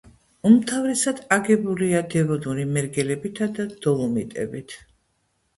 უმთავრესად აგებულია დევონური მერგელებითა და დოლომიტებით.